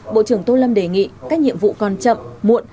bộ trưởng tô lâm đề nghị các nhiệm vụ còn chậm muộn